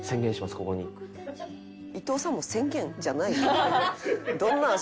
「伊藤さんも“宣言？”じゃない」